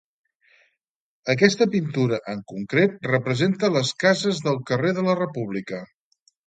Aquesta pintura en concret representa les cases del carrer de la República.